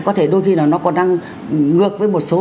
có thể đôi khi là nó còn đang ngược với một số